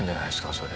それ。